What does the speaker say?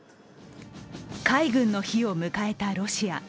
海軍の日を迎えたロシア。